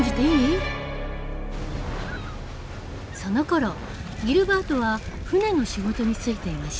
そのころギルバートは船の仕事に就いていました。